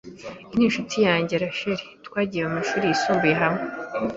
Iyi ni inshuti yanjye Rasheli. Twagiye mu mashuri yisumbuye hamwe.